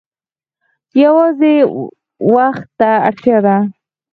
یوازې وخت ته اړتیا ده.